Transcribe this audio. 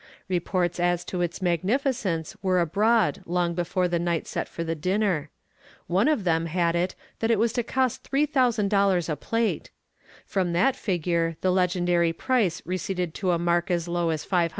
Reports as to its magnificence were abroad long before the night set for the dinner. One of them had it that it was to cost $3,000 a plate. From that figure the legendary price receded to a mark as low as $500.